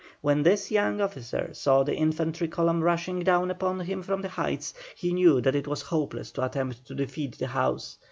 When this young officer saw the infantry column rushing down upon him from the heights, he knew that it was hopeless to attempt to defend the house.